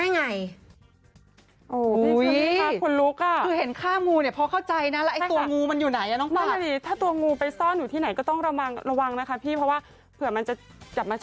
ไม่อยากจะพูดถึงเลย